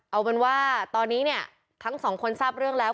เอาเป็นว่าตอนนี้เนี่ยทั้งสองคนทราบเรื่องแล้ว